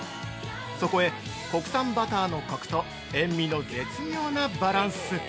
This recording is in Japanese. そこへ、国産バターのコクと塩味の絶妙なバランス。